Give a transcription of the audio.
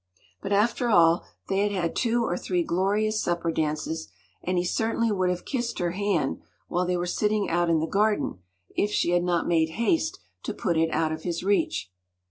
But after all they had had two or three glorious supper dances, and he certainly would have kissed her hand, while they were sitting out in the garden, if she had not made haste to put it out of his reach.